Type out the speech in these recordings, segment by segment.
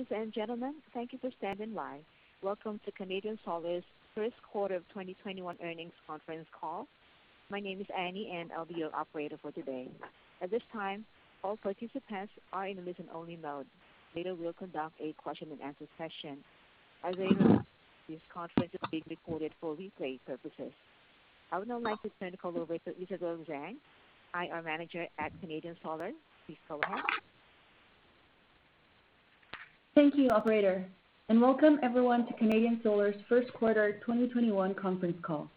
Ladies and gentlemen, thank you for standing by. Welcome to Canadian Solar's first quarter of 2021 earnings conference call. My name is Annie, and I'll be your operator for today. At this time, all participants are in listen only mode. Later, we'll conduct a question and answer session. As a reminder, this conference is being recorded for replay purposes. I would now like to turn the call over to Isabel Zhang, IR Manager at Canadian Solar. Please go ahead. Thank you, operator, and welcome everyone to Canadian Solar's first quarter 2021 conference call.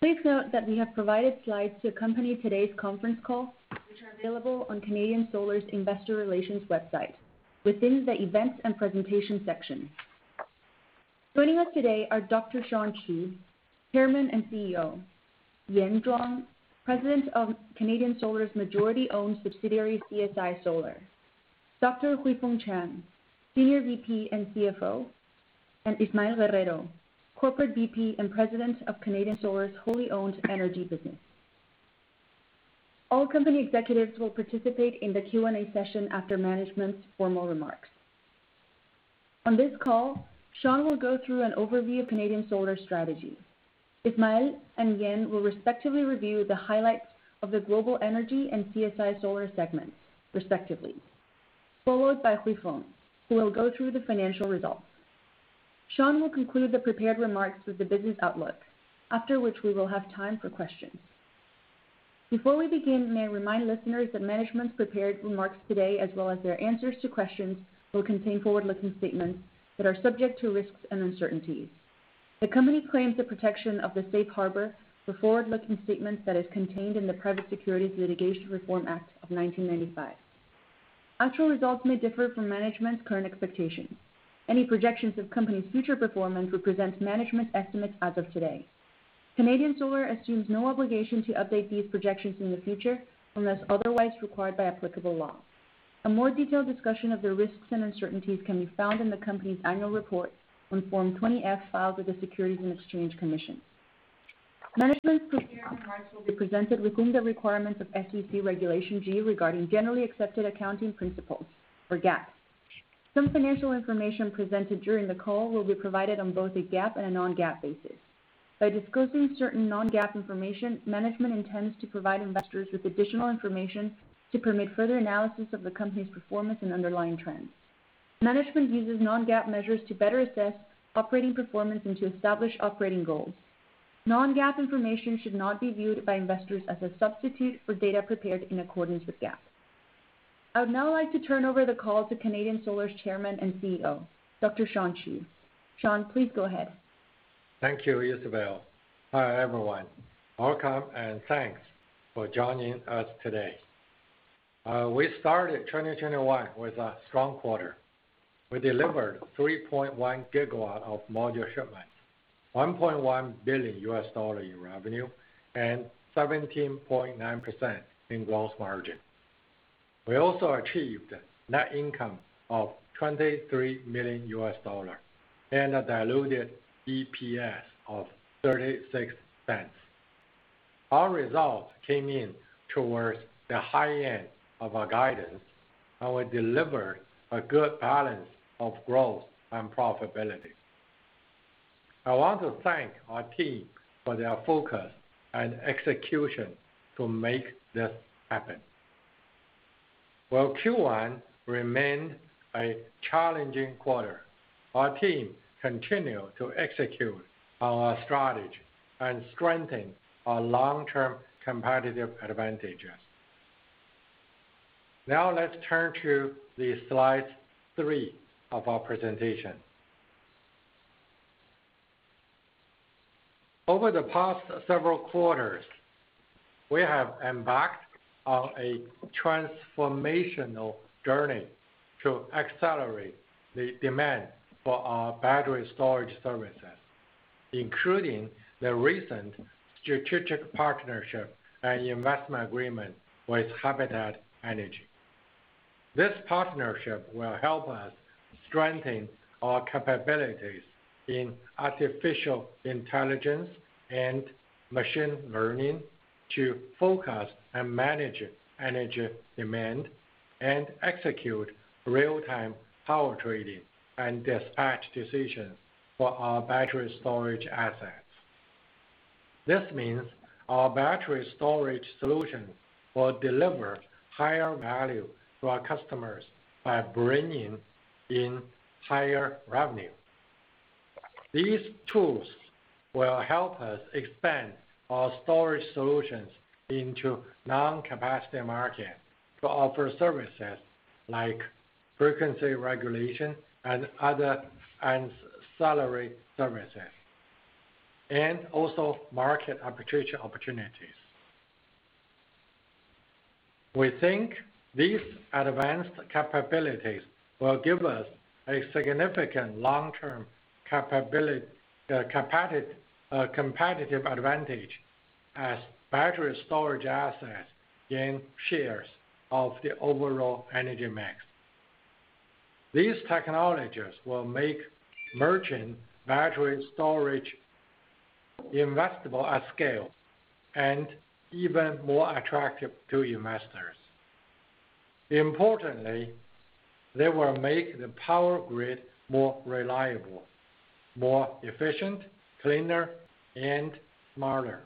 Please note that we have provided slides to accompany today's conference call, which are available on Canadian Solar's investor relations website within the Events and Presentation section. Joining us today are Dr. Shawn (Xiaohua) Qu, Chairman and Chief Executive Officer, Yan Zhuang, President of Canadian Solar's majority-owned subsidiary, CSI Solar, Dr. Huifeng Chang, Senior Vice President and Chief Financial Officer, and Ismael Guerrero, Corporate Vice President and President of Canadian Solar's wholly owned Global Energy business. All company executives will participate in the Q&A session after management's formal remarks. On this call, Shawn will go through an overview of Canadian Solar's strategy. Ismael and Yan will respectively review the highlights of the Global Energy and CSI Solar segments, respectively, followed by Huifeng, who will go through the financial results. Shawn will conclude the prepared remarks with the business outlook, after which we will have time for questions. Before we begin, may I remind listeners that management's prepared remarks today, as well as their answers to questions, will contain forward-looking statements that are subject to risks and uncertainties. The company claims the protection of the safe harbor for forward-looking statements that is contained in the Private Securities Litigation Reform Act of 1995. Actual results may differ from management's current expectations. Any projections of company's future performance represent management's estimates as of today. Canadian Solar assumes no obligation to update these projections in the future, unless otherwise required by applicable law. A more detailed discussion of the risks and uncertainties can be found in the company's annual report on Form 20-F filed with the Securities and Exchange Commission. Management's prepared remarks will be presented within the requirements of SEC Regulation G regarding generally accepted accounting principles or GAAP. Some financial information presented during the call will be provided on both a GAAP and a non-GAAP basis. By discussing certain non-GAAP information, management intends to provide investors with additional information to permit further analysis of the company's performance and underlying trends. Management uses non-GAAP measures to better assess operating performance and to establish operating goals. Non-GAAP information should not be viewed by investors as a substitute for data prepared in accordance with GAAP. I'd now like to turn over the call to Canadian Solar's Chairman and CEO, Dr. Shawn (Xiaohua) Qu. Shawn, please go ahead. Thank you, Isabel. Hi, everyone. Welcome, and thanks for joining us today. We started 2021 with a strong quarter. We delivered 3.1 GW of module shipments, $1.1 billion in revenue, and 17.9% in gross margin. We also achieved net income of $23 million, and a diluted EPS of $0.36. Our results came in towards the high end of our guidance, and we delivered a good balance of growth and profitability. I want to thank our team for their focus and execution to make this happen. While Q1 remained a challenging quarter, our team continued to execute on our strategy and strengthen our long-term competitive advantages. Let's turn to slide three of our presentation. Over the past several quarters, we have embarked on a transformational journey to accelerate the demand for our battery storage services, including the recent strategic partnership and investment agreement with Habitat Energy. This partnership will help us strengthen our capabilities in artificial intelligence and machine learning to focus and manage energy demand and execute real-time power trading and dispatch decisions for our battery storage assets. This means our battery storage solution will deliver higher value to our customers by bringing in higher revenue. These tools will help us expand our storage solutions into non-capacity markets to offer services like frequency regulation and other ancillary services, and also market arbitrage opportunities. We think these advanced capabilities will give us a significant long-term competitive advantage as battery storage assets gain shares of the overall energy mix. These technologies will make merchant battery storage investable at scale, and even more attractive to investors. Importantly, they will make the power grid more reliable, more efficient, cleaner, and smarter.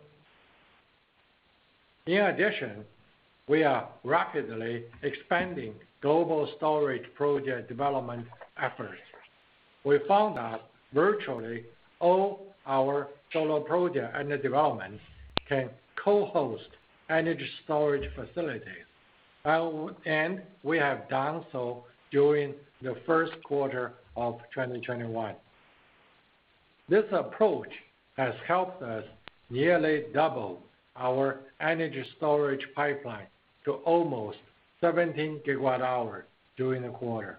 In addition, we are rapidly expanding global storage project development efforts. We found that virtually all our solar project under development can co-host energy storage facilities. We have done so during the first quarter of 2021. This approach has helped us nearly double our energy storage pipeline to almost 17 GWh during the quarter.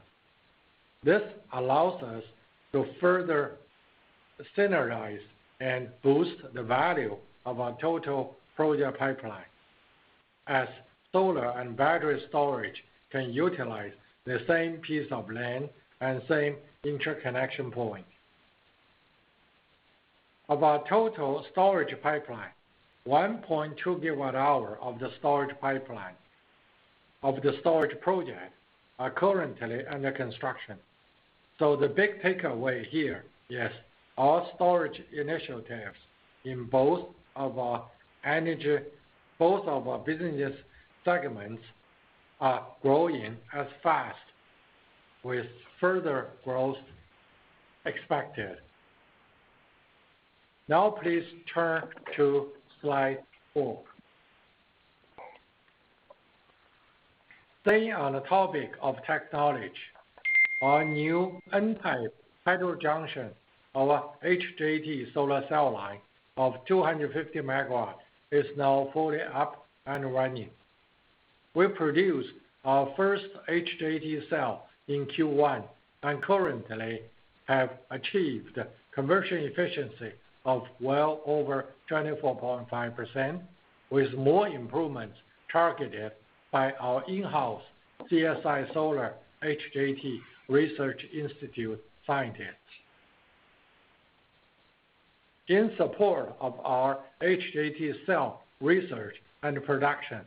This allows us to further synergize and boost the value of our total project pipeline, as solar and battery storage can utilize the same piece of land and same interconnection point. Of our total storage pipeline, 1.2 GWh of the storage project are currently under construction. The big takeaway here is our storage initiatives in both of our business segments are growing as fast with further growth expected. Please turn to slide four. Staying on the topic of technology, our new n-type heterojunction, our HJT solar cell line of 250 MW is now fully up and running. We produced our first HJT cell in Q1 and currently have achieved conversion efficiency of well over 24.5%, with more improvements targeted by our in-house CSI Solar HJT Research Institute scientists. In support of our HJT cell research and production,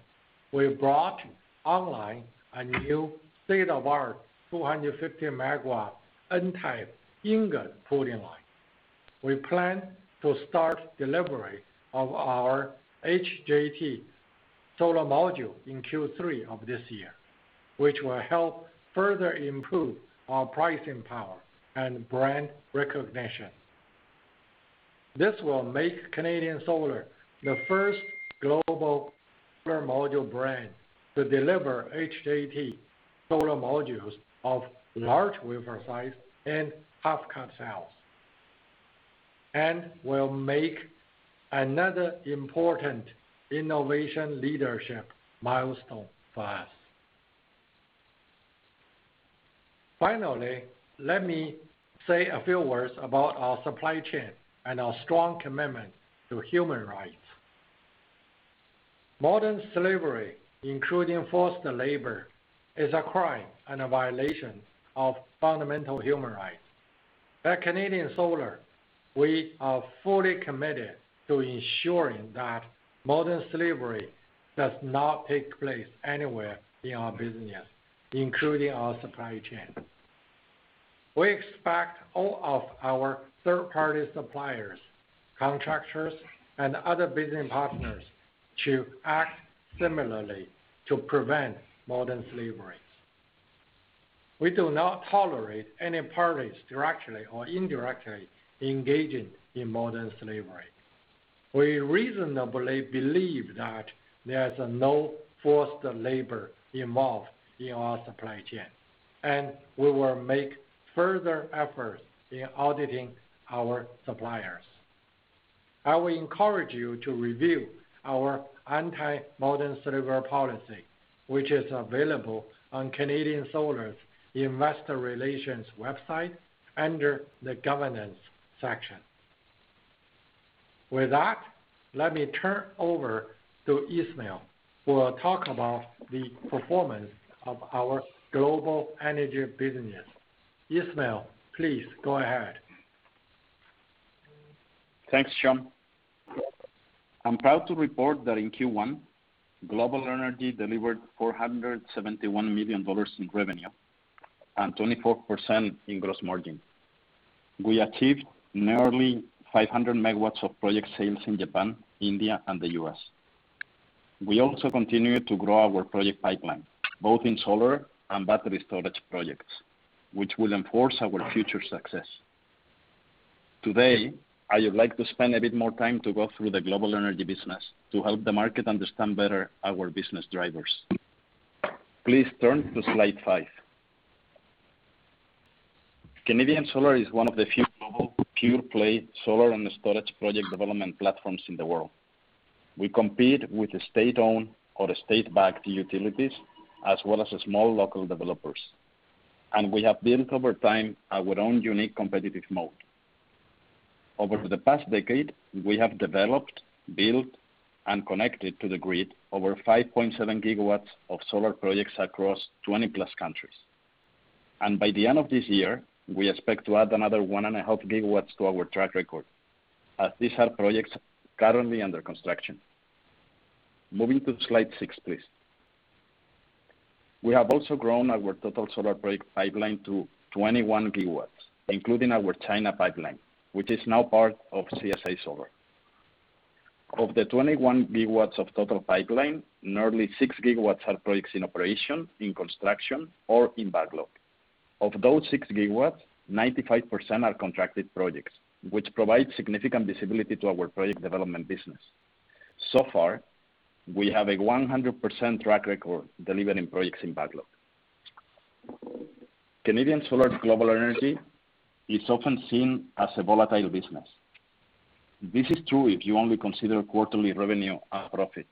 we brought online a new state-of-the-art 250 MW n-type ingot growing line. We plan to start delivery of our HJT solar module in Q3 of this year, which will help further improve our pricing power and brand recognition. This will make Canadian Solar the first global solar module brand to deliver HJT solar modules of large wafer size and half-cut cells, and will make another important innovation leadership milestone for us. Finally, let me say a few words about our supply chain and our strong commitment to human rights. Modern slavery, including forced labor, is a crime and a violation of fundamental human rights. At Canadian Solar, we are fully committed to ensuring that modern slavery does not take place anywhere in our business, including our supply chain. We expect all of our third-party suppliers, contractors, and other business partners to act similarly to prevent modern slavery. We do not tolerate any parties directly or indirectly engaging in modern slavery. We reasonably believe that there's no forced labor involved in our supply chain, and we will make further efforts in auditing our suppliers. I will encourage you to review our anti-modern slavery policy, which is available on Canadian Solar's investor relations website under the governance section. With that, let me turn over to Ismael, who will talk about the performance of our Global Energy business. Ismael, please go ahead. Thanks, Shawn. I'm proud to report that in Q1, Global Energy delivered $471 million in revenue and 24% in gross margin. We achieved nearly 500 MW of project sales in Japan, India, and the U.S. We also continue to grow our project pipeline, both in solar and battery storage projects, which will enforce our future success. Today, I would like to spend a bit more time to go through the Global Energy business to help the market understand better our business drivers. Please turn to slide five. Canadian Solar is one of the few global pure-play solar and storage project development platforms in the world. We compete with state-owned or state-backed utilities, as well as small local developers. We have built over time our own unique competitive moat. Over the past decade, we have developed, built, and connected to the grid over 5.7 GW of solar projects across 20 plus countries. By the end of this year, we expect to add another 1.5 GW To our track record, as these are projects currently under construction. Moving to slide six, please. We have also grown our total solar project pipeline to 21 GW, including our China pipeline, which is now part of CSI Solar. Of the 21 GW of total pipeline, nearly 6GW are projects in operation, in construction or in backlog. Of those 6 GW, 95% are contracted projects, which provide significant visibility to our project development business. Far, we have a 100% track record delivering projects in backlog. Canadian Solar's Global Energy is often seen as a volatile business. This is true if you only consider quarterly revenue and profit.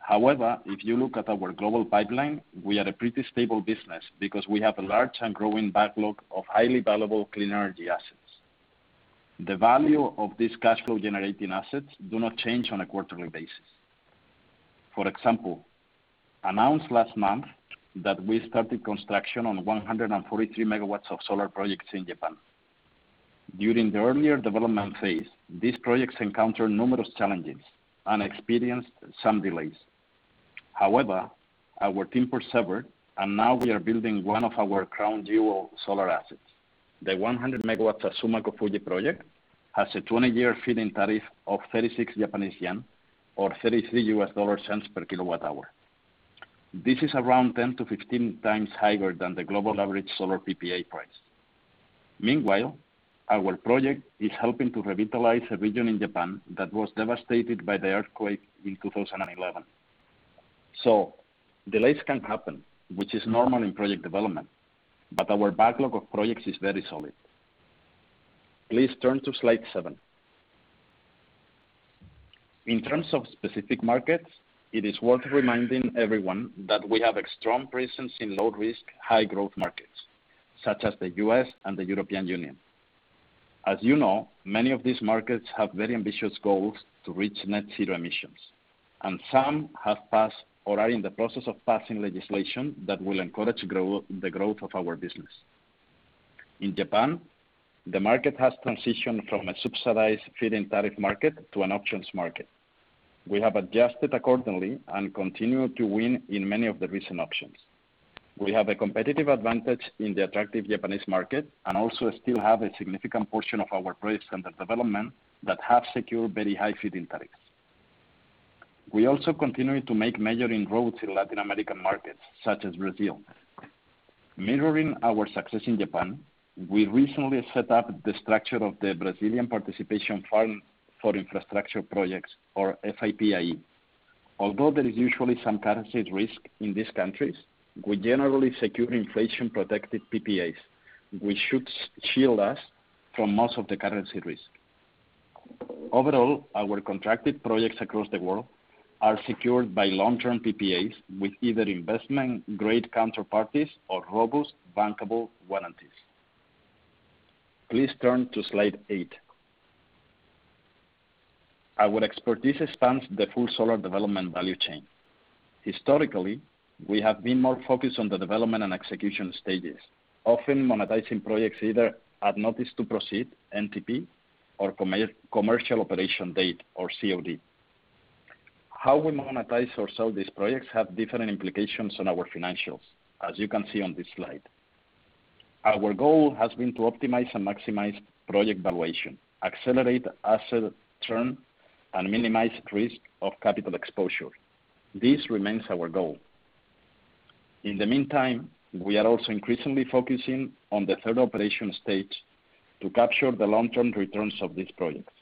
However, if you look at our global pipeline, we are a pretty stable business because we have a large and growing backlog of highly valuable clean energy assets. The value of these cash flow-generating assets do not change on a quarterly basis. For example, we announced last month that we started construction on 143 MW of solar projects in Japan. During the earlier development phase, these projects encountered numerous challenges and experienced some delays. However, our team persevered, and now we are building one of our crown jewel solar assets. The 100-MW Azuma Kofuji project has a 20-year feed-in tariff of 36 Japanese yen, or $0.33 per kWh. This is around 10-15x higher than the global average solar PPA price. Meanwhile, our project is helping to revitalize a region in Japan that was devastated by the earthquake in 2011. Delays can happen, which is normal in project development, but our backlog of projects is very solid. Please turn to slide seven. In terms of specific markets, it is worth reminding everyone that we have a strong presence in low-risk, high-growth markets, such as the U.S. and the European Union. As you know, many of these markets have very ambitious goals to reach net-zero emissions, and some have passed or are in the process of passing legislation that will encourage the growth of our business. In Japan, the market has transitioned from a subsidized feed-in tariff market to an auctions market. We have adjusted accordingly and continue to win in many of the recent auctions. We have a competitive advantage in the attractive Japanese market and also still have a significant portion of our projects under development that have secured very high feed-in tariffs. We also continue to make meaningful growth in Latin American markets, such as Brazil. Mirroring our success in Japan, we recently set up the structure of the Brazilian Participation Fund for Infrastructure Projects, or FIP-IE. Although there is usually some currency risk in these countries, we generally secure inflation-protected PPAs, which should shield us from most of the currency risk. Overall, our contracted projects across the world are secured by long-term PPAs with either investment-grade counterparties or robust bankable warranties. Please turn to slide eight. Our expertise spans the full solar development value chain. Historically, we have been more focused on the development and execution stages, often monetizing projects either at notice to proceed, NTP, or commercial operation date, or COD. How we monetize or sell these projects have different implications on our financials, as you can see on this slide. Our goal has been to optimize and maximize project valuation, accelerate asset turn, and minimize risk of capital exposure. This remains our goal. In the meantime, we are also increasingly focusing on the third operation stage to capture the long-term returns of these projects,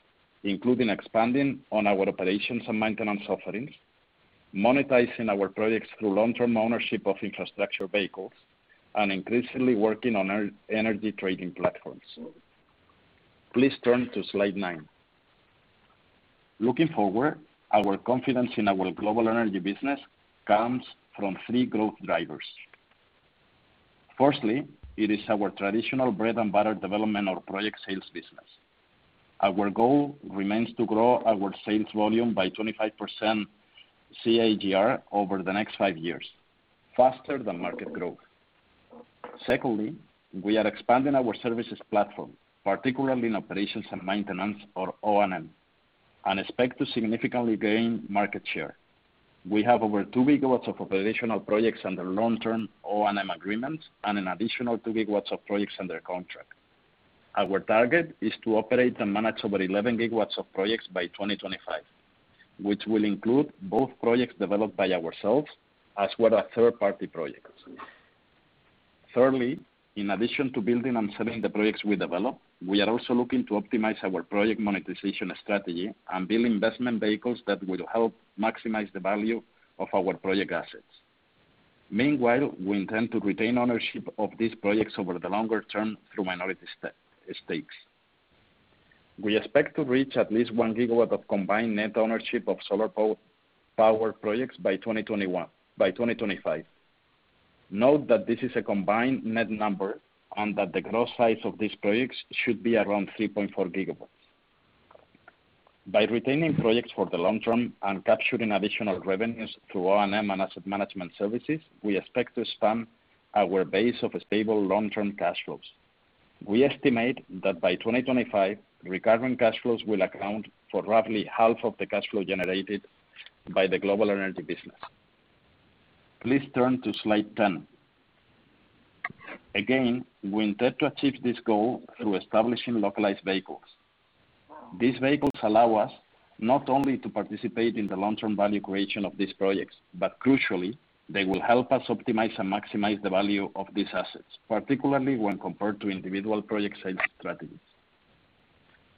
including expanding on our operations and maintenance offerings, monetizing our projects through long-term ownership of infrastructure vehicles, and increasingly working on our energy trading platforms. Please turn to slide nine. Looking forward, our confidence in our Global Energy business comes from three growth drivers. Firstly, it is our traditional bread-and-butter development or project sales business. Our goal remains to grow our sales volume by 25% CAGR over the next five years, faster than market growth. Secondly, we are expanding our services platform, particularly in operations and maintenance or O&M, and expect to significantly gain market share. We have over 2 GW of operational projects under long-term O&M agreements and an additional 2 GW of projects under contract. Our target is to operate and manage over 11 GW of projects by 2025, which will include both projects developed by ourselves as well as third-party projects. Thirdly, in addition to building and selling the projects we develop, we are also looking to optimize our project monetization strategy and build investment vehicles that will help maximize the value of our project assets. Meanwhile, we intend to retain ownership of these projects over the longer term through minority stakes. We expect to reach at least 1 GW of combined net ownership of solar power projects by 2025. Note that this is a combined net number, and that the gross size of these projects should be around 3.4 GW. By retaining projects for the long term and capturing additional revenues through O&M and asset management services, we expect to expand our base of stable long-term cash flows. We estimate that by 2025, recurring cash flows will account for roughly half of the cash flow generated by the Global Energy business. Please turn to slide 10. We intend to achieve this goal through establishing localized vehicles. These vehicles allow us not only to participate in the long-term value creation of these projects, but crucially, they will help us optimize and maximize the value of these assets, particularly when compared to individual project sales strategies.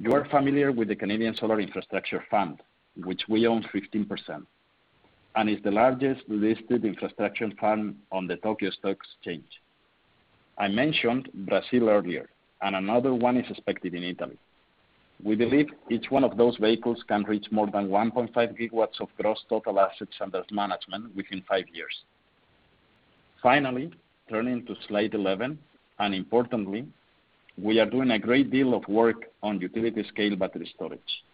You are familiar with the Canadian Solar Infrastructure Fund, which we own 15%, and is the largest listed infrastructure fund on the Tokyo Stock Exchange. I mentioned Brazil earlier, and another one is expected in Italy. We believe each one of those vehicles can reach more than 1.5 GW of gross total assets under management within five years. Finally, turning to slide 11, and importantly, we are doing a great deal of work on utility-scale battery storage.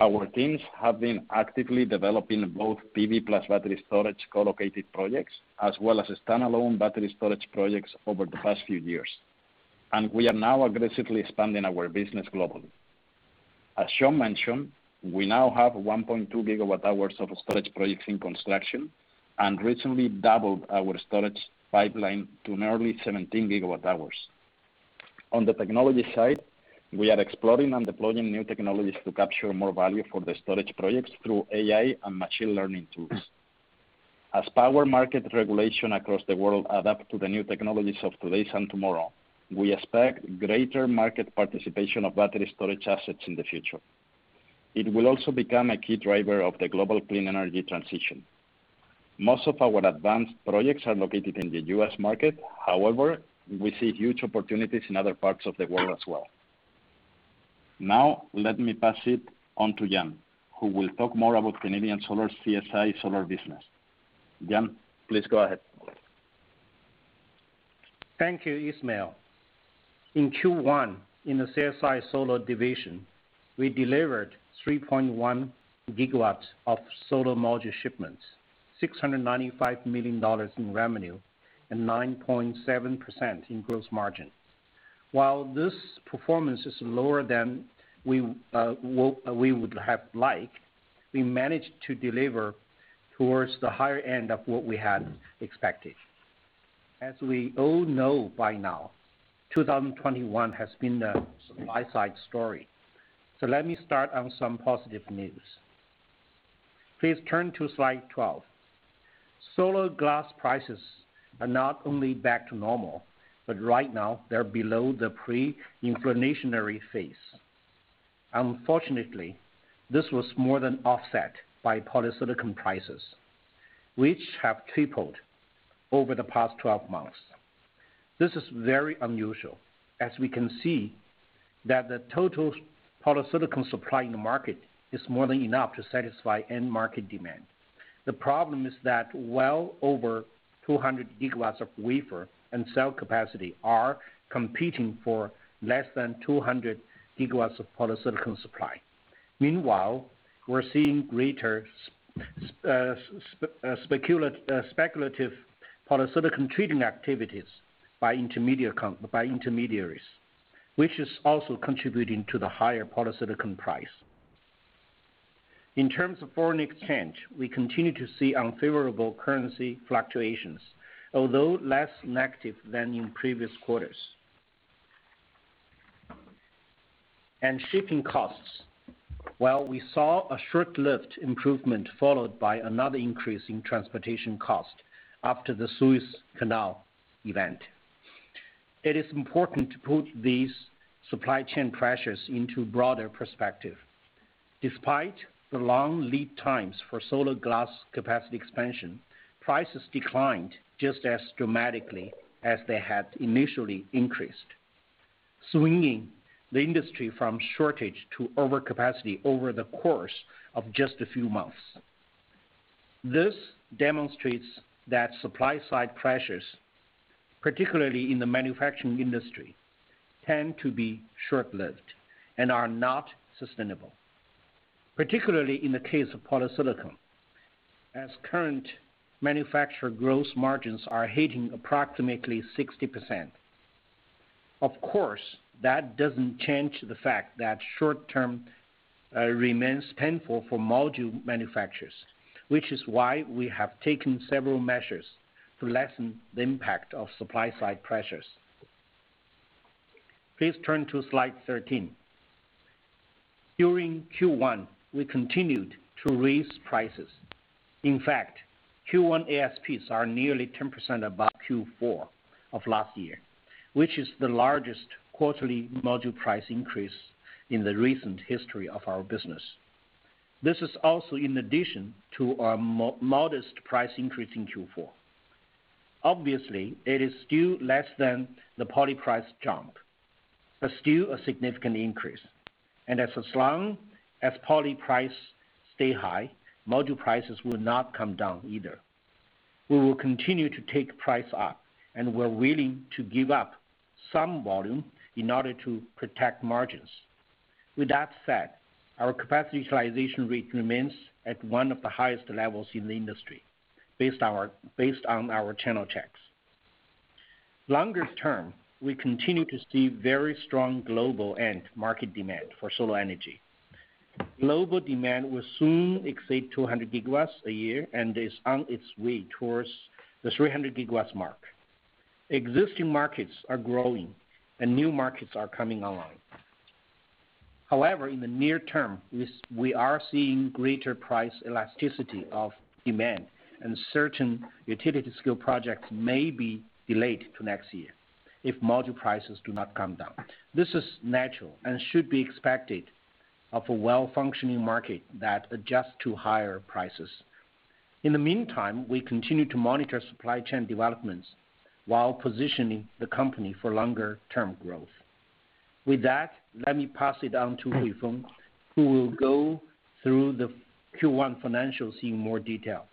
Our teams have been actively developing both PV-plus-battery storage co-located projects, as well as standalone battery storage projects over the past few years, and we are now aggressively expanding our business globally. As Shawn mentioned, we now have 1.2 GWh of storage projects in construction and recently doubled our storage pipeline to nearly 17 GWh. On the technology side, we are exploring and deploying new technologies to capture more value for the storage projects through AI and machine learning tools. As power market regulation across the world adapt to the new technologies of today and tomorrow, we expect greater market participation of battery storage assets in the future. It will also become a key driver of the global clean energy transition. Most of our advanced projects are located in the U.S. market. However, we see huge opportunities in other parts of the world as well. Now, let me pass it on to Yan, who will talk more about Canadian Solar's CSI Solar business. Yan, please go ahead. Thank you, Ismael. In Q1, in the CSI Solar division, we delivered 3.1 GW of solar module shipments, $695 million in revenue, and 9.7% in gross margin. While this performance is lower than we would have liked, we managed to deliver towards the higher end of what we had expected. As we all know by now, 2021 has been a supply-side story. Let me start on some positive news. Please turn to slide 12. Solar glass prices are not only back to normal, but right now they're below the pre-inflationary phase. Unfortunately, this was more than offset by polysilicon prices, which have tripled over the past 12 months. This is very unusual, as we can see that the total polysilicon supply in the market is more than enough to satisfy end market demand. The problem is that well over 200 GW of wafer and cell capacity are competing for less than 200 GW of polysilicon supply. Meanwhile, we're seeing greater speculative polysilicon trading activities by intermediaries, which is also contributing to the higher polysilicon price. Shipping costs. While we saw a short-lived improvement followed by another increase in transportation cost after the Suez Canal event, it is important to put these supply chain pressures into broader perspective. Despite the long lead times for solar glass capacity expansion, prices declined just as dramatically as they had initially increased, swinging the industry from shortage to overcapacity over the course of just a few months. This demonstrates that supply-side pressures, particularly in the manufacturing industry, tend to be short-lived and are not sustainable, particularly in the case of polysilicon, as current manufacturer gross margins are hitting approximately 60%. That doesn't change the fact that short-term remains painful for module manufacturers, which is why we have taken several measures to lessen the impact of supply-side pressures. Please turn to slide 13. During Q1, we continued to raise prices. Q1 ASPs are nearly 10% above Q4 of last year, which is the largest quarterly module price increase in the recent history of our business. This is also in addition to our modest price increase in Q4. It is still less than the polysilicon price jump, but still a significant increase. As long as poly prices stay high, module prices will not come down either. We will continue to take price up, and we're willing to give up some volume in order to protect margins. With that said, our capacity utilization rate remains at one of the highest levels in the industry based on our channel checks. Longer term, we continue to see very strong global end market demand for solar energy. Global demand will soon exceed 200 GW a year, and is on its way towards the 300 GW mark. Existing markets are growing and new markets are coming online. However, in the near term, we are seeing greater price elasticity of demand and certain utility scale projects may be delayed to next year if module prices do not come down. This is natural and should be expected of a well-functioning market that adjusts to higher prices. In the meantime, we continue to monitor supply chain developments while positioning the company for longer term growth. With that, let me pass it on to Huifeng, who will go through the Q1 financials in more detail.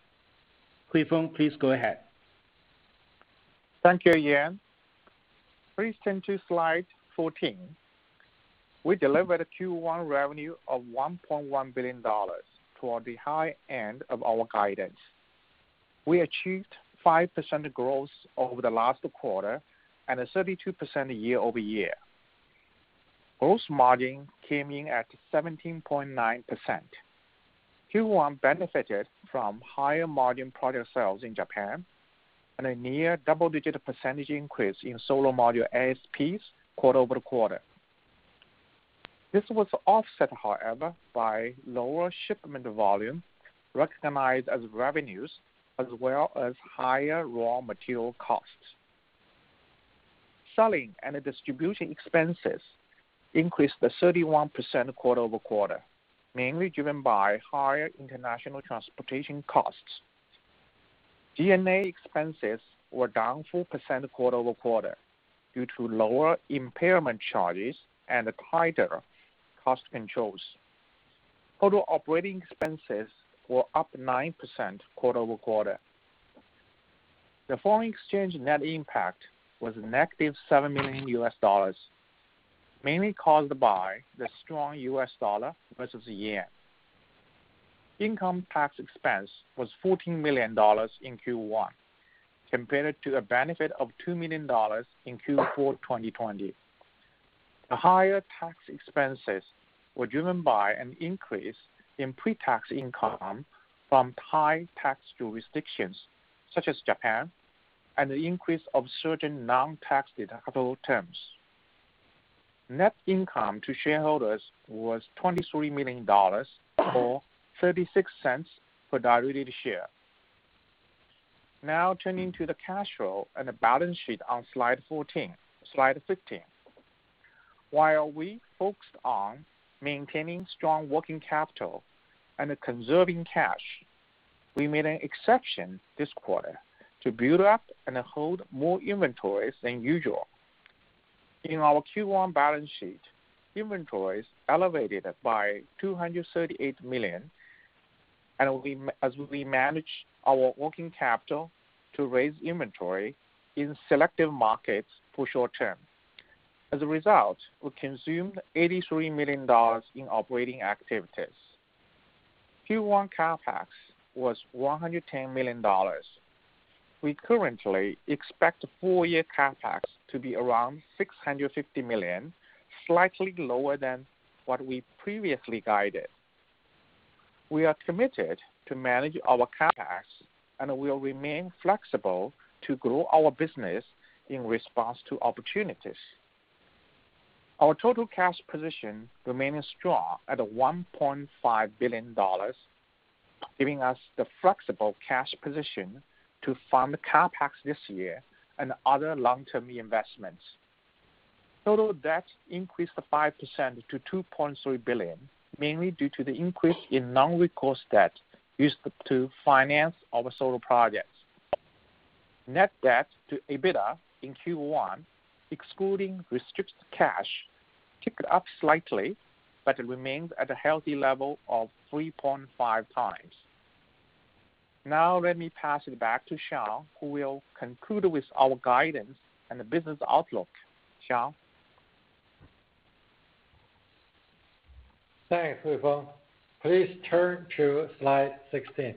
Huifeng, please go ahead. Thank you, Yan. Please turn to slide 14. We delivered a Q1 revenue of $1.1 billion toward the high end of our guidance. We achieved 5% growth over the last quarter and a 32% year-over-year. Gross margin came in at 17.9%. Q1 benefited from higher margin product sales in Japan and a near double-digit percentage increase in solar module ASPs quarter-over-quarter. This was offset, however, by lower shipment volume recognized as revenues, as well as higher raw material costs. Selling and distribution expenses increased by 31% quarter-over-quarter, mainly driven by higher international transportation costs. G&A expenses were down 4% quarter-over-quarter due to lower impairment charges and tighter cost controls. Total operating expenses were up 9% quarter-over-quarter. The foreign exchange net impact was negative $7 million, mainly caused by the strong US dollar versus the yen. Income tax expense was $14 million in Q1, compared to the benefit of $2 million in Q4 2020. The higher tax expenses were driven by an increase in pre-tax income from high tax jurisdictions such as Japan and the increase of certain non-tax deductible items. Net income to shareholders was $23 million, or $0.36 per diluted share. Turning to the cash flow and the balance sheet on slide 14, slide 15. While we focused on maintaining strong working capital and conserving cash, we made an exception this quarter to build up and hold more inventories than usual. In our Q1 balance sheet, inventories elevated by $238 million, as we managed our working capital to raise inventory in selective markets for short term. As a result, we consumed $83 million in operating activities. Q1 CapEx was $110 million. We currently expect full year CapEx to be around $650 million, slightly lower than what we previously guided. We are committed to manage our CapEx and will remain flexible to grow our business in response to opportunities. Our total cash position remains strong at $1.5 billion, giving us the flexible cash position to fund the CapEx this year and other long-term investments. Total debts increased 5% to $2.3 billion, mainly due to the increase in non-recourse debt used to finance our solar projects. Net debt to EBITDA in Q1, excluding restricted cash, ticked up slightly, remains at a healthy level of 3.5x. Let me pass it back to Shawn, who will conclude with our guidance and the business outlook. Shawn? Thanks, Huifeng. Please turn to slide 16.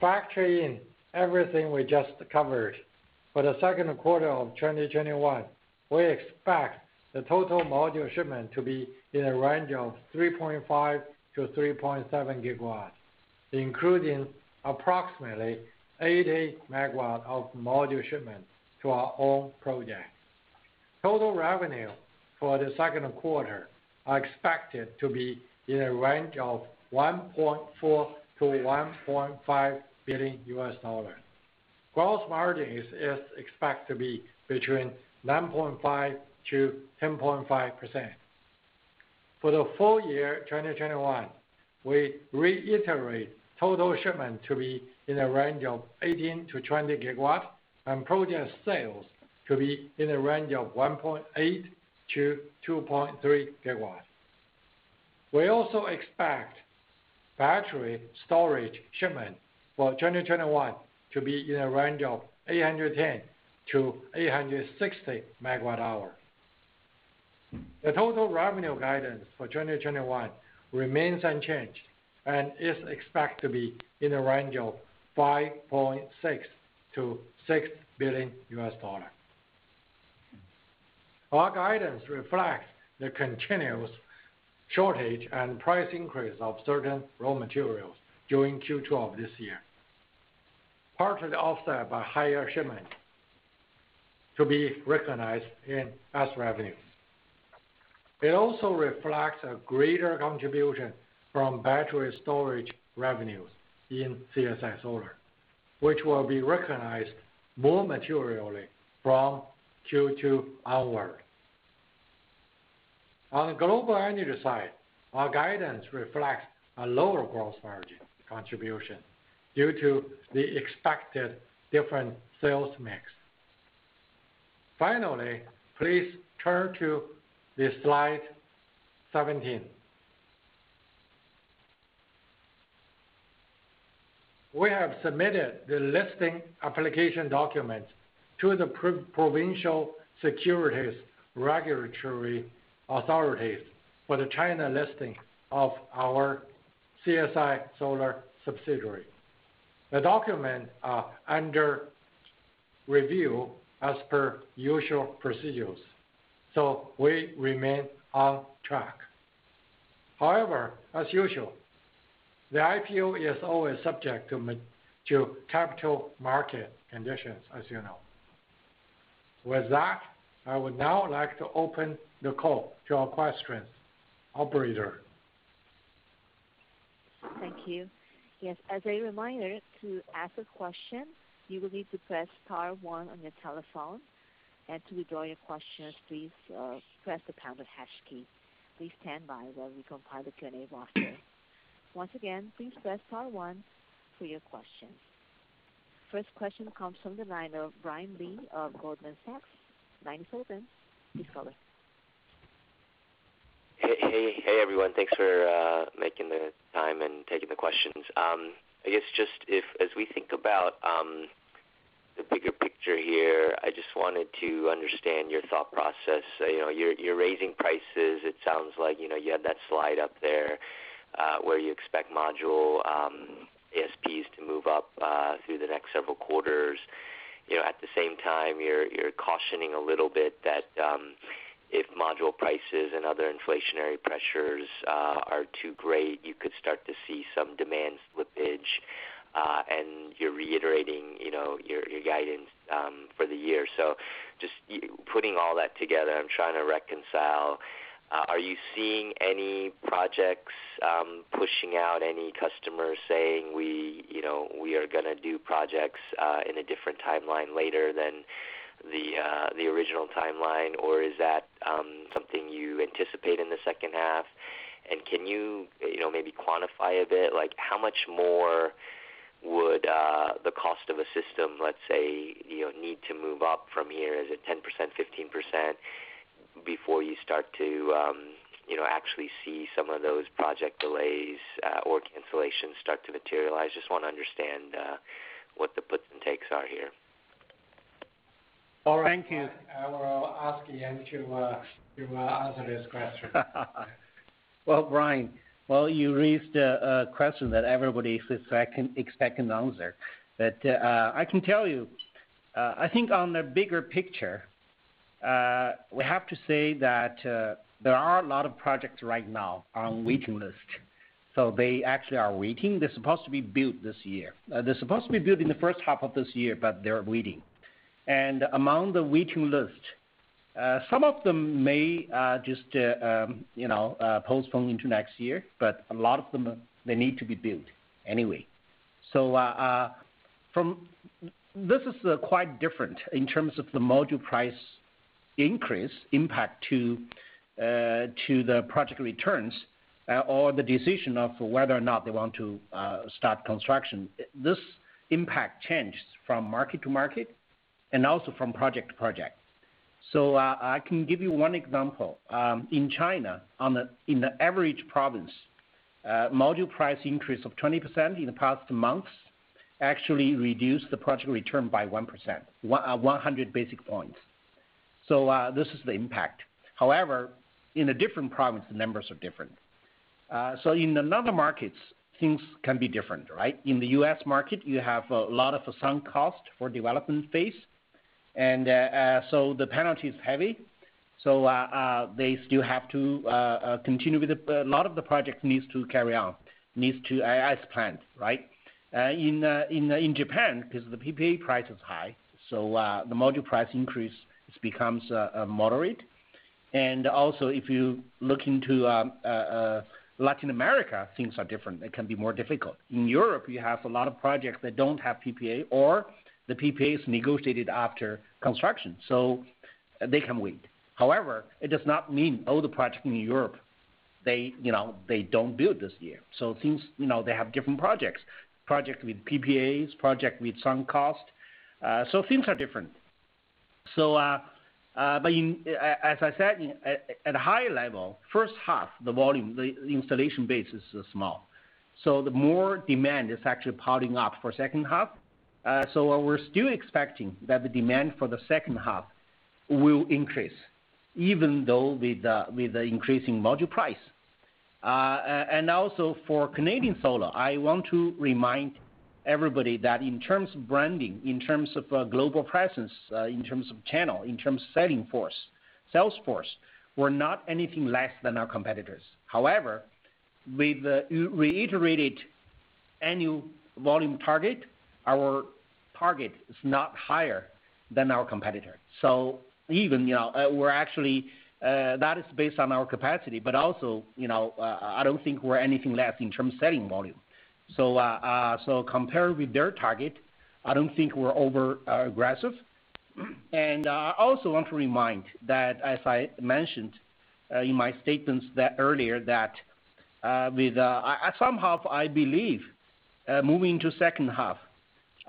Factoring everything we just covered, for the second quarter of 2021, we expect the total module shipment to be in a range of 3.5-3.7 GW, including approximately 80 MW of module shipments to our own projects. Total revenue for the second quarter are expected to be in a range of $1.4 billion-$1.5 billion. Gross margin is expected to be between 9.5%-10.5%. For the full year 2021, we reiterate total shipment to be in a range of 18-20 GW and project sales to be in a range of 1.8-2.3 GW. We also expect battery storage shipment for 2021 to be in a range of 810-860 MWh. The total revenue guidance for 2021 remains unchanged and is expected to be in a range of $5.6 billion-$6 billion. Our guidance reflects the continuous shortage and price increase of certain raw materials during Q2 of this year, partially offset by higher shipments to be recognized in as revenues. It also reflects a greater contribution from battery storage revenues in CSI Solar, which will be recognized more materially from Q2 onward. On the Global Energy side, our guidance reflects a lower gross margin contribution due to the expected different sales mix. Please turn to the slide 17. We have submitted the listing application documents to the provincial securities regulatory authorities for the China listing of our CSI Solar subsidiary. The document are under review as per usual procedures, so we remain on track. However, as usual, the IPO is always subject to capital market conditions, as you know. With that, I would now like to open the call to our questions. Operator? Thank you. Yes, as a reminder, to ask a question, you will need to press star one on your telephone. To withdraw your question, please press the pound or hash key. Please stand by while we compile the queue. Once again, please press star one for your questions. First question comes from the line of Brian K. Lee of Goldman Sachs. Line is open. Please go ahead. Hey, everyone. Thanks for making the time and taking the questions. I guess just as we think about the bigger picture here, I just wanted to understand your thought process. You're raising prices, it sounds like. You had that slide up there, where you expect module ASPs to move up through the next several quarters. At the same time, you're cautioning a little bit that if module prices and other inflationary pressures are too great, you could start to see some demand slippage, and you're reiterating your guidance for the year. Just putting all that together, I'm trying to reconcile. Are you seeing any projects pushing out any customers saying, "We are going to do projects in a different timeline later than the original timeline?" Or is that something you anticipate in the second half? Can you maybe quantify a bit, how much more would the cost of a system, let's say, need to move up from here as a 10%, 15%, before you start to actually see some of those project delays or inflation start to materialize? Just want to understand what the puts and takes are here. Thank you. I will ask Yan to answer this question. Well, Brian, you raised a question that everybody is expecting answer. I can tell you, I think on the bigger picture, we have to say that there are a lot of projects right now on waiting list. They actually are waiting. They're supposed to be built this year. They're supposed to be built in the first half of this year, but they're waiting. Among the waiting list, some of them may just postpone into next year, but a lot of them, they need to be built anyway. This is quite different in terms of the module price increase impact to the project returns or the decision of whether or not they want to start construction. This impact changes from market to market and also from project to project. I can give you one example. In China, in the average province, module price increase of 20% in the past months actually reduced the project return by 1%, 100 basis points. This is the impact. However, in a different province, the numbers are different. In another markets, things can be different, right? In the U.S. market, you have a lot of sunk cost for development phase, the penalty is heavy. A lot of the project needs to carry on, needs to as planned, right? In Japan, because the PPA price is high, so the module price increase becomes moderate. If you look into Latin America, things are different. They can be more difficult. In Europe, you have a lot of projects that don't have PPA or the PPA is negotiated after construction, so they can wait. However, it does not mean all the projects in Europe, they don't build this year. They have different projects, project with PPAs, project with sunk cost. Things are different. As I said, at a high level, first half, the volume, the installation base is small. The more demand is actually piling up for second half. We're still expecting that the demand for the second half will increase, even though with the increasing module price. For Canadian Solar, I want to remind everybody that in terms of branding, in terms of global presence, in terms of channel, in terms of selling force, sales force, we're not anything less than our competitors. However, with the reiterated annual volume target, our target is not higher than our competitor. That is based on our capacity, but also, I don't think we're anything less in terms of selling volume. Compared with their target, I don't think we're over-aggressive. I also want to remind that, as I mentioned in my statements earlier, that moving to second half,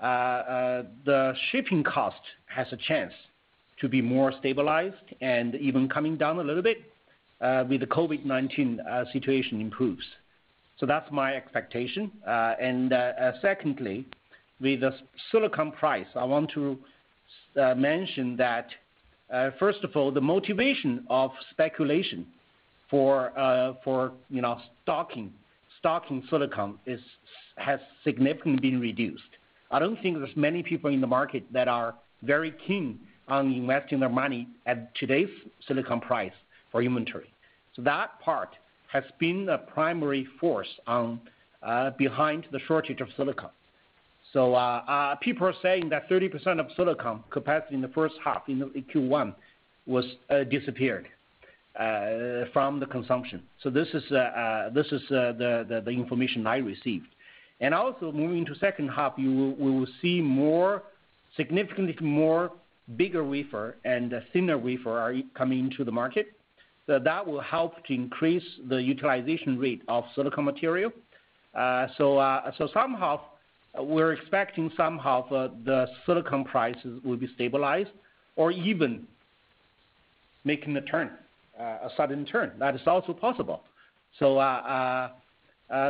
the shipping cost has a chance to be more stabilized and even coming down a little bit, with the COVID-19 situation improves. That's my expectation. Secondly, with the silicon price, I want to mention that, first of all, the motivation of speculation for stocking silicon has significantly been reduced. I don't think there's many people in the market that are very keen on investing their money at today's silicon price for inventory. That part has been the primary force behind the shortage of silicon. People are saying that 30% of silicon capacity in the first half, in Q1, disappeared from the consumption. This is the information I received. Moving to second half, we will see significantly more bigger wafer and thinner wafer coming into the market. That will help to increase the utilization rate of silicon material. Somehow, we're expecting the silicon prices will be stabilized or even making a turn, a sudden turn. That is also possible.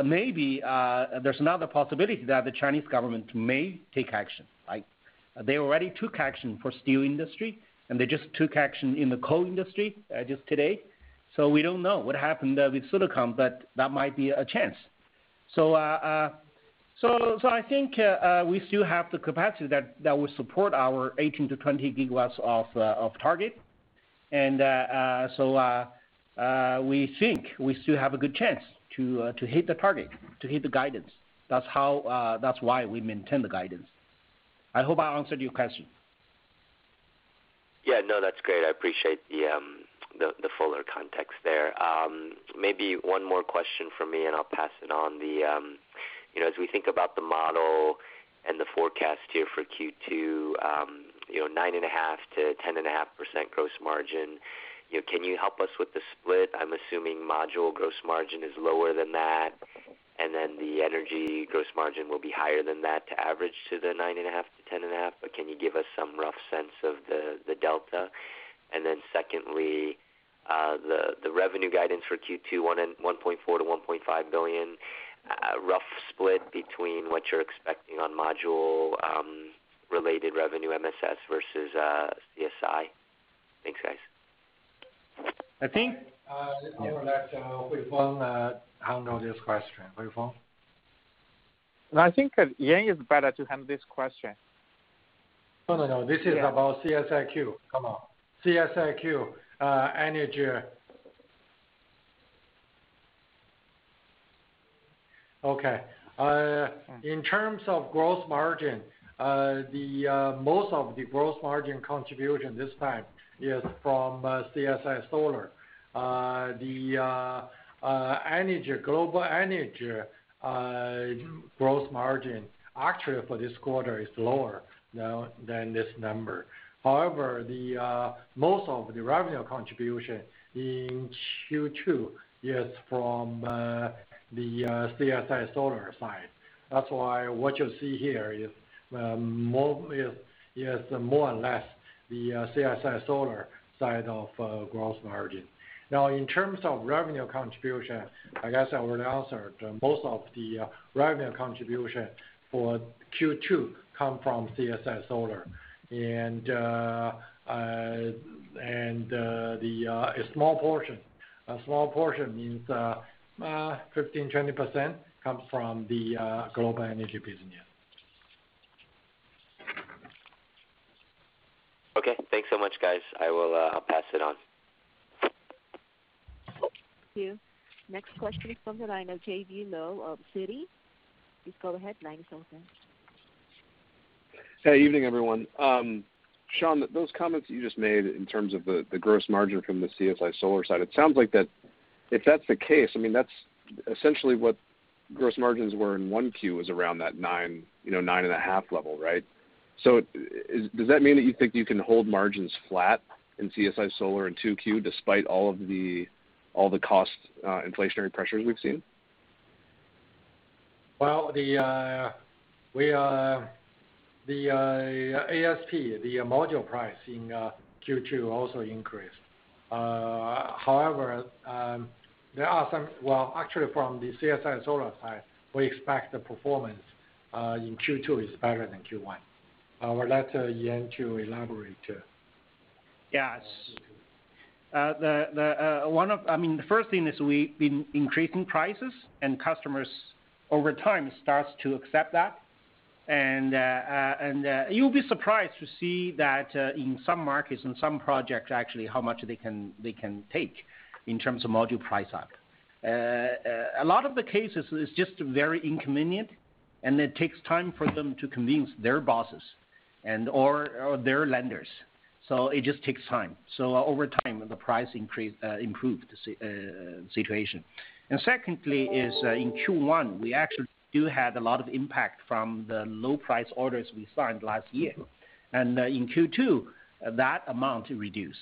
Maybe, there's another possibility that the Chinese government may take action. They already took action for steel industry, and they just took action in the coal industry just today. We don't know what happened with silicon, but that might be a chance. I think we still have the capacity that will support our 18-20 GW of target. We think we still have a good chance to hit the target, to hit the guidance. That's why we maintain the guidance. I hope I answered your question. Yeah, no, that's great. I appreciate the fuller context there. Maybe one more question from me, and I'll pass it on. As we think about the model and the forecast here for Q2, 9.5%-10.5% gross margin, can you help us with the split? I'm assuming module gross margin is lower than that, and then the energy gross margin will be higher than that to average to the 9.5%-10.5%. Can you give us some rough sense of the delta? Secondly, the revenue guidance for Q2, $1.4 billion-$1.5 billion, rough split between what you're expecting on module-related revenue, MSS versus CSI. Thanks, guys. I think- Over that, Huifeng handle this question. Huifeng? No, I think that Yan Zhuang is better to handle this question. This is about CSIQ. Come on. CSIQ, energy. Okay. In terms of gross margin, most of the gross margin contribution this time is from CSI Solar. The Global Energy gross margin actually for this quarter is lower than this number. Most of the revenue contribution in Q2 is from the CSI Solar side. That's why what you see here is more or less the CSI Solar side of gross margin. In terms of revenue contribution, I guess I already answered, most of the revenue contribution for Q2 come from CSI Solar. A small portion means 15%, 20% comes from the Global Energy business. Okay. Thanks so much, guys. I will pass it on. Thank you. Next question is from the line of J.B. Lowe of Citi. Please go ahead, line is open. Hey, evening everyone. Shawn, those comments that you just made in terms of the gross margin from the CSI Solar side, it sounds like that if that's the case, that's essentially what gross margins were in 1Q was around that 9.5 level, right? Does that mean that you think you can hold margins flat in CSI Solar in 2Q despite all the cost inflationary pressures we've seen? Well, the ASP, the module price in Q2 also increased. Actually from the CSI Solar side, we expect the performance in Q2 is better than Q1. I will let Yan to elaborate too. Yes. The first thing is we've been increasing prices, and customers over time start to accept that. You'll be surprised to see that in some markets and some projects, actually, how much they can take in terms of module price hike. A lot of the cases, it's just very inconvenient and it takes time for them to convince their bosses or their lenders. It just takes time. Over time, the price improved the situation. Secondly is, in Q1, we actually still had a lot of impact from the low price orders we signed last year. In Q2, that amount reduced.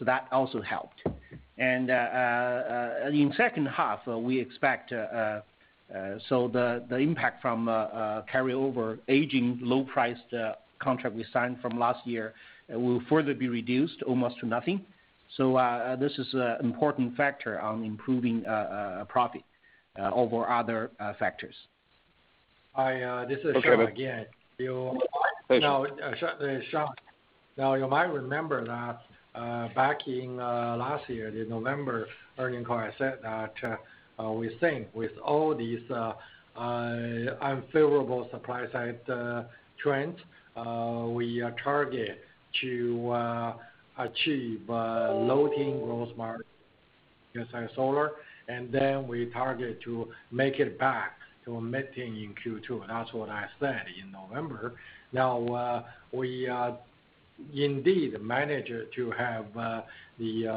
That also helped. In second half, we expect the impact from carryover aging low price contract we signed from last year will further be reduced almost to nothing. This is an important factor on improving profit over other factors. Hi, this is Shawn again. You might remember that back in last year, the November earnings call, I said that we think with all these unfavorable supply side trends, we target to achieve low-teen gross margin in CSI Solar, and then we target to make it back to mid-teen in Q2. That's what I said in November. We indeed managed to have the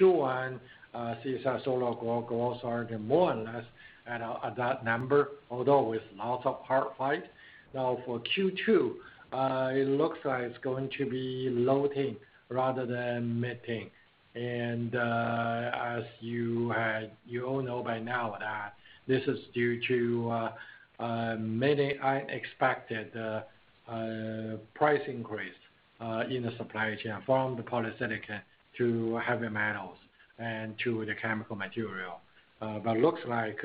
Q1 CSI Solar gross margin more or less at that number, although with lots of hard fight. For Q2, it looks like it's going to be low-teen rather than mid-teen. As you all know by now that this is due to many unexpected price increases in the supply chain, from the polysilicon to heavy metals and to the chemical material. Looks like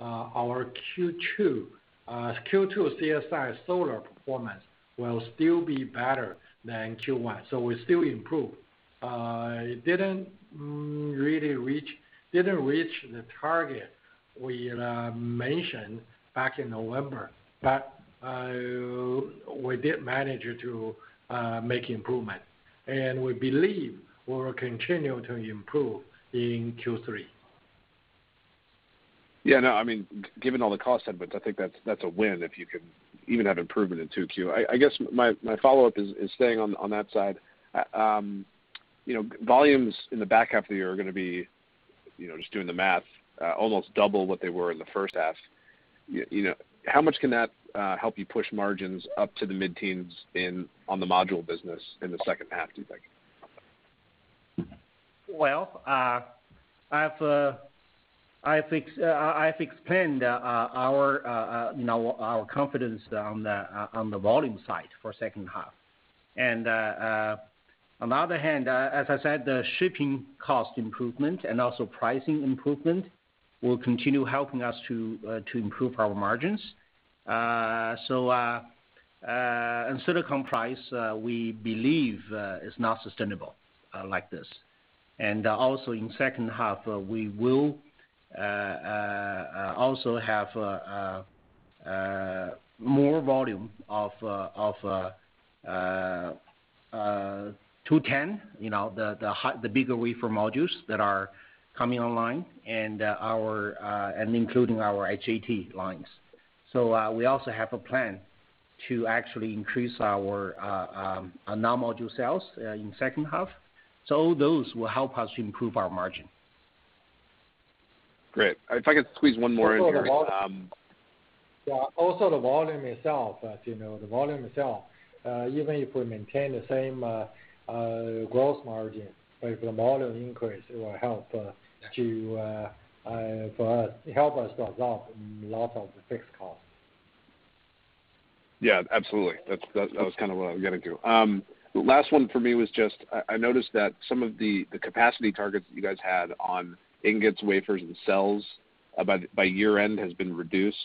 our Q2 CSI Solar performance will still be better than Q1, so we still improved. It didn't reach the target we mentioned back in November, but we did manage to make improvement. We believe we will continue to improve in Q3. Yeah, no, given all the cost inputs, I think that's a win if you can even have improvement in 2Q. I guess my follow-up is staying on that side. Volumes in the back half of the year are going to be, just doing the math, almost double what they were in the first half. How much can that help you push margins up to the mid-teens on the module business in the second half, do you think? Well, I think pinned our confidence on the volume side for second half. On the other hand, as I said, the shipping cost improvement and also pricing improvement will continue helping us to improve our margins. Silicon price, we believe, is not sustainable like this. Also in second half, we will also have more volume of 210, the bigger wafer modules that are coming online, and including our HJT lines. We also have a plan to actually increase our non-module sales in second half. Those will help us improve our margin. Great. If I could squeeze one more in there. Yeah. Also the volume itself, even if we maintain the same gross margin, if the volume increase, it will help us lock a lot of the fixed cost. Yeah, absolutely. That was what I'm getting to. Last one for me was just, I noticed that some of the capacity targets that you guys had on ingots, wafers, and cells by year-end has been reduced.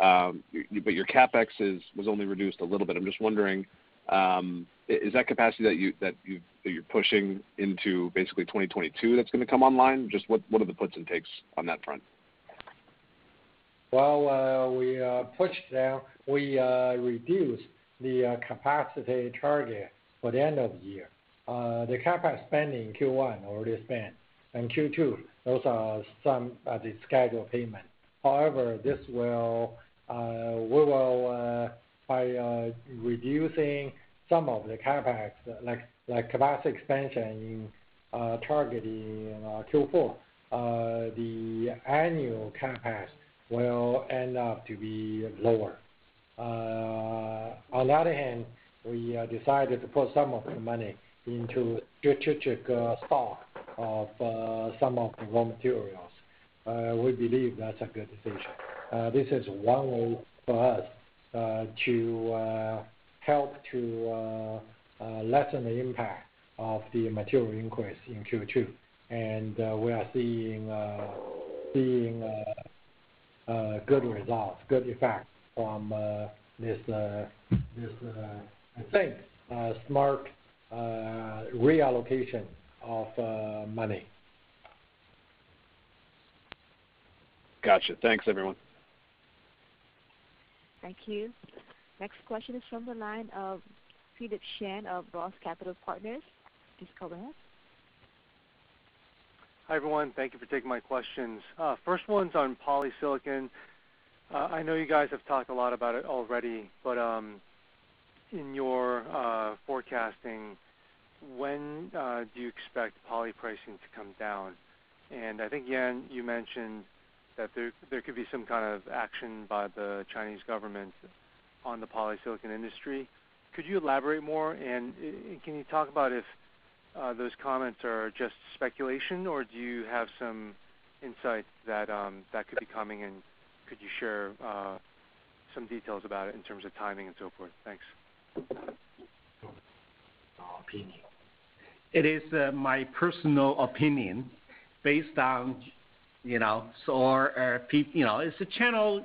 Your CapEx was only reduced a little bit. I'm just wondering, is that capacity that you're pushing into basically 2022 that's going to come online? Just what are the puts and takes on that front? Well, we pushed out. We reduced the capacity target for the end of the year. The CapEx spend in Q1 already spent, and Q2, those are some of the scheduled payment. However, by reducing some of the CapEx, like capacity expansion target in Q4, the annual CapEx will end up to be lower. On the other hand, we decided to put some of the money into strategic stock of some of the raw materials. We believe that's a good decision. This is one way for us to help to lessen the impact of the material increase in Q2, and we are seeing good results, good effect from this, I think, smart reallocation of money. Got you. Thanks, everyone. Thank you. Next question is from the line of Philip Shen of ROTH Capital Partners. Please go ahead. Hi, everyone. Thank you for taking my questions. First one's on polysilicon. I know you guys have talked a lot about it already. In your forecasting, when do you expect polysilicon pricing to come down? I think, Yan, you mentioned that there could be some kind of action by the Chinese government on the polysilicon industry. Could you elaborate more, and can you talk about if those comments are just speculation, or do you have some insight that could be coming, and could you share some details about it in terms of timing and so forth? Thanks. Opinion. It is my personal opinion based on It's a channel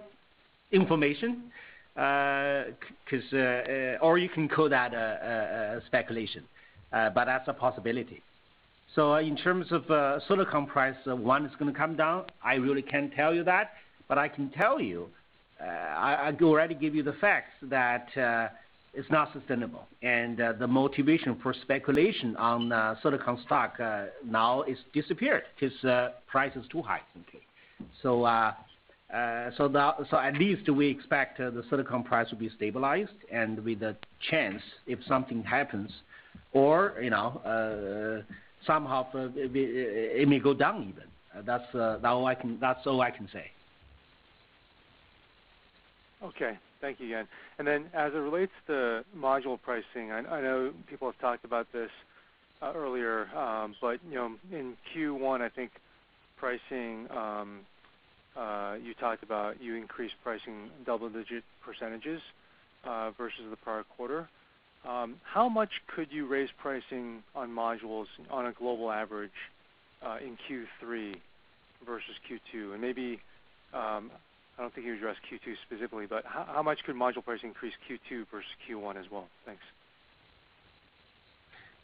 information, or you can call that a speculation, but that's a possibility. In terms of silicon price, when it's going to come down, I really can't tell you that, but I can tell you, I already gave you the facts that it's not sustainable, and the motivation for speculation on silicon stock now is disappeared because price is too high. At least we expect the silicon price will be stabilized and with a chance, if something happens, or somehow it may go down even. That's all I can say. Okay. Thank you, Yan. As it relates to module pricing, I know people have talked about this earlier, in Q1, I think pricing, you talked about you increased pricing double-digit percentages, versus the prior quarter. How much could you raise pricing on modules on a global average, in Q3 versus Q2? Maybe, I don't think you addressed Q2 specifically, how much could module pricing increase Q2 versus Q1 as well? Thanks.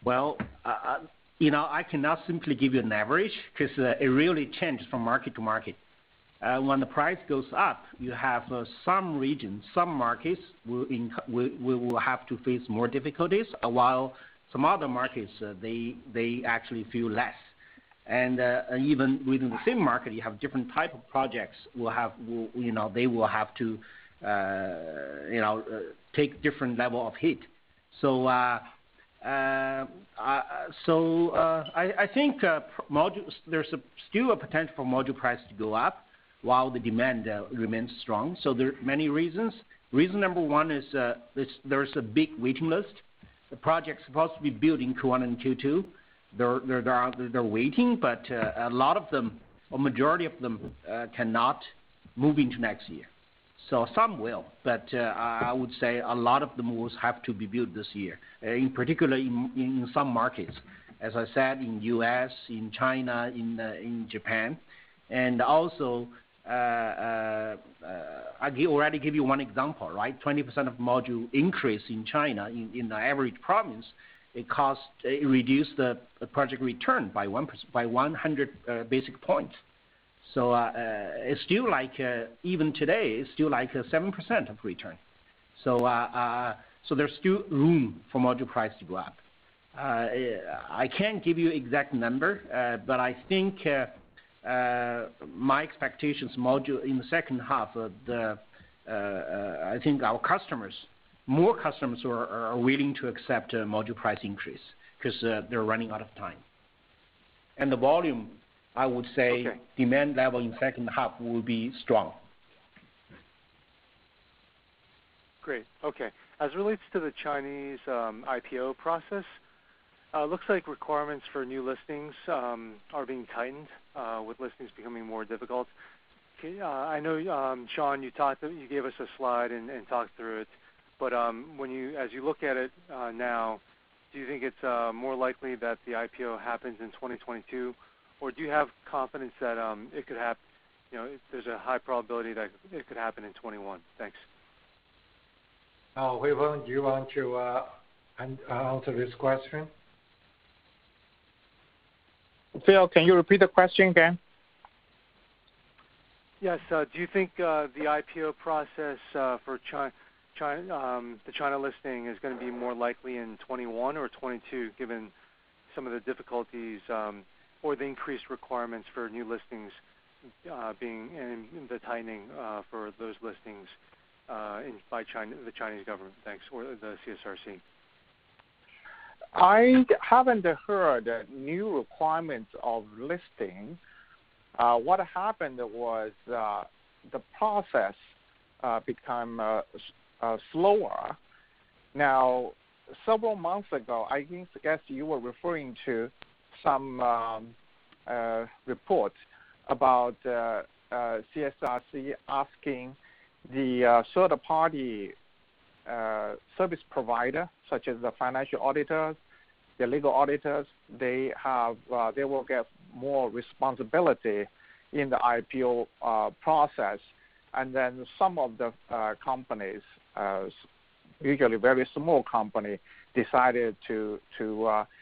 Well, I cannot simply give you an average because it really changes from market to market. When the price goes up, you have some regions, some markets will have to face more difficulties, while some other markets, they actually feel less. Even within the same market, you have different type of projects, they will have to take different level of hit. I think there's still a potential module price to go up while the demand remains strong. There are many reasons. Reason number one is, there's a big wait list. The project's supposed to be built in Q1 and Q2. They're waiting, but a lot of them, a majority of them, cannot move into next year. Some will, but I would say a lot of them will have to be built this year, in particular in some markets. As I said, in U.S., in China, in Japan. Also, I already gave you one example, right? 20% of module increase in China, in the average province, it reduced the project return by 100 basis points. Even today, it's still like 7% of return. There's still room for module price to go up. I can't give you exact number, I think, my expectations module in the second half, I think our customers, more customers are willing to accept a module price increase because they're running out of time. The volume, I would say demand level in second half will be strong. Great. Okay. As it relates to the Chinese IPO process, looks like requirements for new listings are being tightened, with listings becoming more difficult. I know, Shawn, you gave us a slide and talked through it, but as you look at it now, do you think it's more likely that the IPO happens in 2022, or do you have confidence that there's a high probability that it could happen in 2021? Thanks. Huifeng, do you want to answer this question? Philip, can you repeat the question again? Yes. Do you think the IPO process for the China listing is going to be more likely in 2021 or 2022, given some of the difficulties, or the increased requirements for new listings, the tightening for those listings, by the Chinese Government? Thanks. The CSRC. I haven't heard new requirements of listing. What happened was the process become slower. Several months ago, I think, I guess you were referring to some reports about CSRC asking the third-party service provider, such as the financial auditors, the legal auditors. They will get more responsibility in the IPO process. Some of the companies, usually very small company, decided to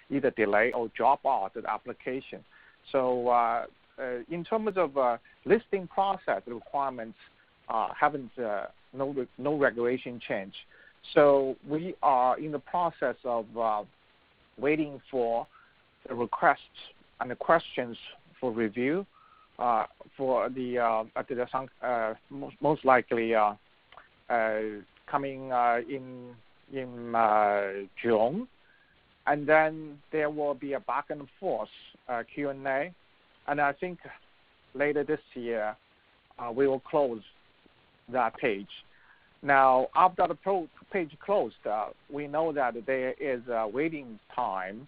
either delay or drop off the application. In terms of listing process requirements, no regulation change. We are in the process of waiting for the requests and questions for review most likely coming in June. There will be a back and forth Q&A, and I think later this year, we will close that page. After the page closed, we know that there is a waiting time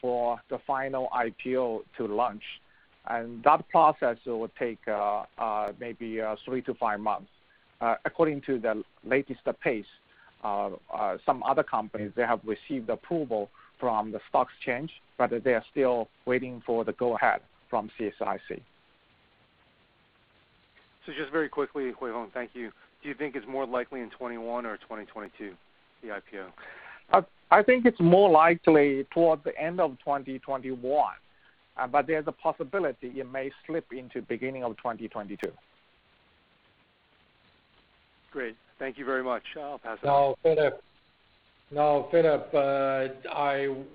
for the final IPO to launch, and that process will take maybe three to five months. According to the latest pace, some other companies, they have received approval from the stock exchange, but they are still waiting for the go-ahead from CSRC. Just very quickly, Huifeng Chang, thank you. Do you think it's more likely in 2021 or 2022, the IPO? I think it's more likely towards the end of 2021. There's a possibility it may slip into beginning of 2022. Great. Thank you very much. I'll pass that on. No, Philip,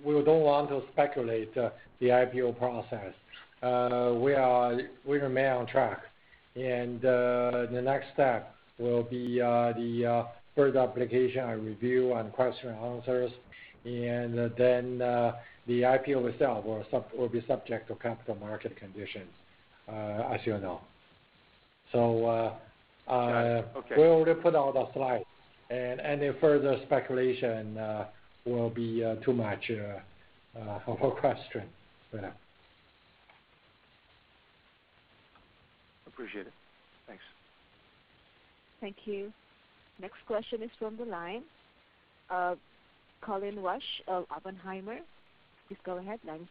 we don't want to speculate the IPO process. We remain on track and the next step will be the third application and review and question and answers, and then the IPO itself will be subject to capital market conditions, as you know. Got it. Okay. We already put out a slide and any further speculation will be too much for question. Yeah. Appreciate it. Thanks. Thank you. Next question is from the line, Colin Rusch, Oppenheimer. Please go ahead. Line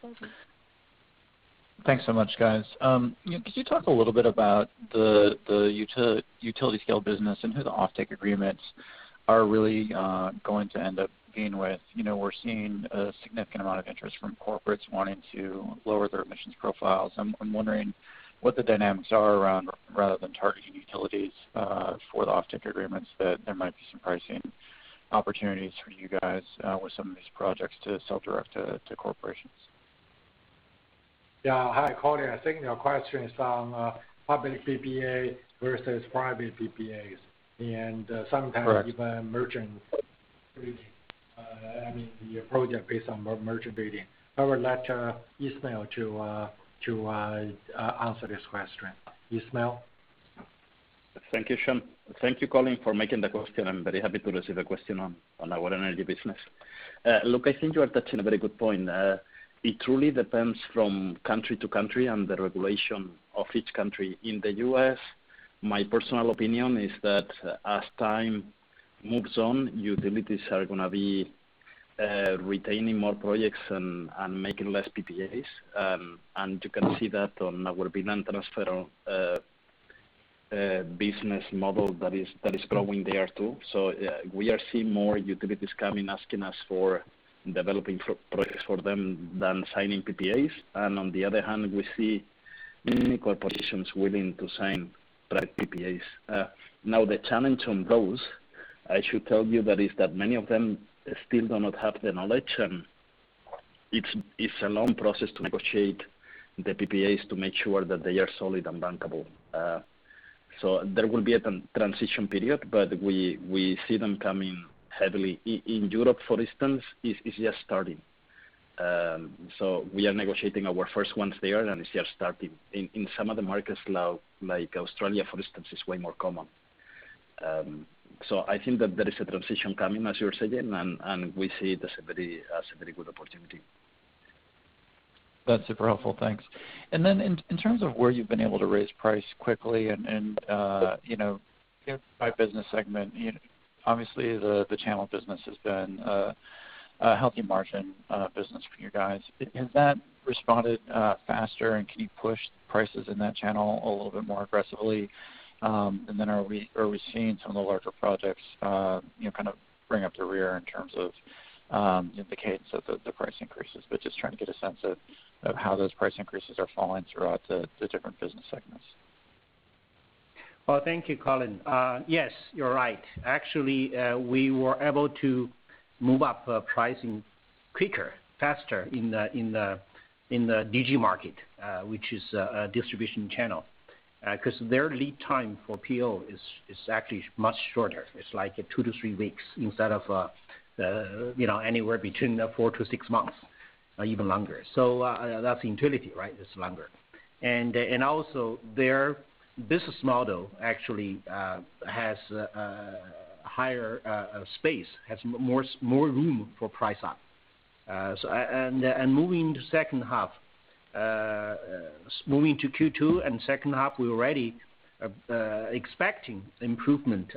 is open. Thanks so much, guys. Can you talk a little bit about the utility scale business and who the offtake agreements are really going to end up being with? We're seeing a significant amount of interest from corporates wanting to lower their emissions profiles. I'm wondering what the dynamics are around rather than targeting utilities for the offtake agreements, that there might be some pricing opportunities for you guys with some of these projects to sell direct to corporations. Yeah. Hi, Colin. I think your question is on public PPAs versus private PPAs and some. Correct kind of even merchant trading, I mean, project based on merchant trading. I would let Ismael to answer this question. Ismael? Thank you, Shawn. Thank you, Colin, for making the question. I'm very happy to receive the question on our energy business. I think you are touching a very good point. It truly depends from country to country and the regulation of each country. In the U.S., my personal opinion is that as time moves on, utilities are going to be retaining more projects and making less PPAs. You can see that on our build-transfer business model that is growing there, too. We are seeing more utilities coming, asking us for developing projects for them than signing PPAs. On the other hand, we see unique corporations willing to sign private PPAs. The challenge on those, I should tell you that is that many of them still do not have the knowledge, and it's a long process to negotiate the PPAs to make sure that they are solid and bankable. There will be a transition period, but we see them coming heavily. In Europe, for instance, it's just starting. We are negotiating our first ones there, and it's just starting. In some of the markets now, like Australia, for instance, it's way more common. I think that there is a transition coming, as you're saying, and we see it as a very good opportunity. That's super helpful. Thanks. Then in terms of where you've been able to raise price quickly and by business segment, obviously the channel business has been a healthy margin business for you guys. Has that responded faster and can you push prices in that channel a little bit more aggressively? Then are we seeing some of the larger projects bring up the rear in terms of in the case of the price increases? Just trying to get a sense of how those price increases are falling throughout the different business segments. Well, thank you, Colin. Yes, you are right. Actually, we were able to move up pricing quicker, faster in the DG market, which is a distribution channel, because their lead time for PO is actually much shorter. It is like two to three weeks instead of anywhere between four to six months or even longer. That is utility, right? It is longer. Also their business model actually has higher space, has more room for price up. Moving to second half, moving to Q2 and second half, we're already expecting further improvement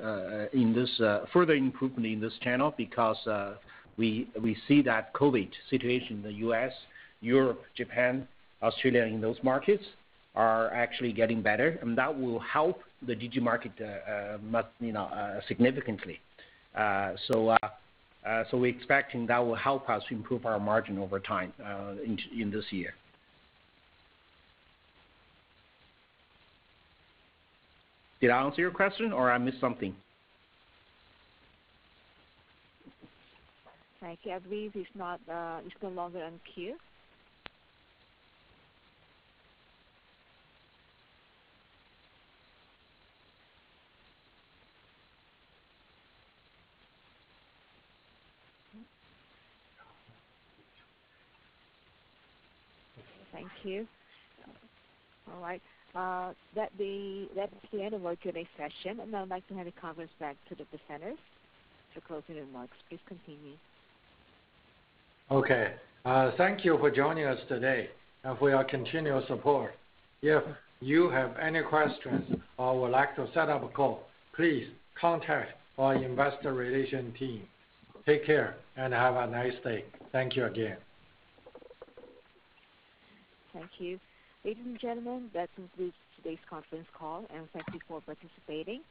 in this channel because we see that COVID situation in the U.S., Europe, Japan, Australia, in those markets are actually getting better, and that will help the DG market significantly. We expecting that will help us improve our margin over time in this year. Did I answer your question or I missed something? I can believe he is no longer in queue. Thank you. All right. That's the end of our Q&A session, and I'd like to hand the conference back to the presenters to close any remarks. Please continue. Okay. Thank you for joining us today and for your continuous support. If you have any questions or would like to set up a call, please contact our investor relation team. Take care and have a nice day. Thank you again. Thank you. Ladies and gentlemen, that concludes today's conference call, and thank you for participating.